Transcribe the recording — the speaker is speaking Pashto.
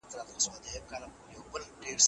یاده کړۍ غواړي پورته مسایلو ته پام را واړوي.